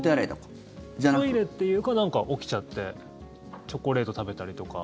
トイレっていうかなんか起きちゃってチョコレート食べたりとか。